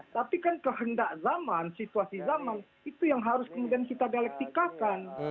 tapi kan kehendak zaman situasi zaman itu yang harus kemudian kita dialektikakan